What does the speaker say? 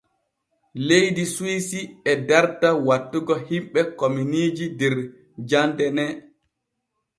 Leydi Suwisi e darta wattugo himɓe kominiiji der jande ne.